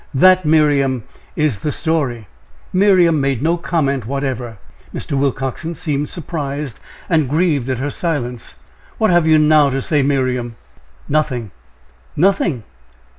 That, Miriam, is the story." Miriam made no comment whatever. Mr. Willcoxen seemed surprised and grieved at her silence. "What have you now to say, Miriam?" "Nothing." "'Nothing?'